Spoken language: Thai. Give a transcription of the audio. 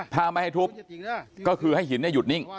ถ้าไม่ให้ทุบก็คือให้หินหยุดนิ่ง